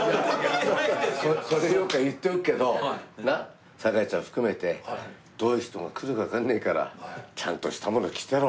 それよか言っておくけど酒井ちゃん含めてどういう人が来るかわかんねえからちゃんとしたもの着てろ。